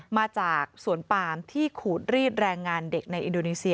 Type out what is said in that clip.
มาจากสวนปามที่ขูดรีดแรงงานเด็กในอินโดนีเซีย